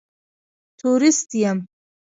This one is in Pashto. تورېست یم.